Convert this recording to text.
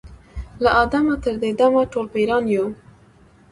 له آدمه تر دې دمه ټول پیران یو